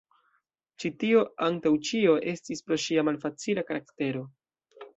Ĉi tio antaŭ ĉio estis pro ŝia malfacila karaktero.